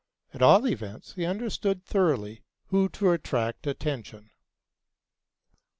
At all events, he understood thoroughly who to attract attention.